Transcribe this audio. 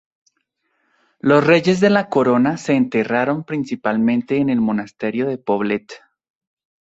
Los reyes de la Corona se enterraron principalmente en el monasterio de Poblet.